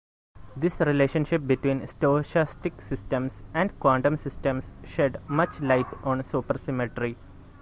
This relationship between stochastic systems and quantum systems sheds much light on supersymmetry.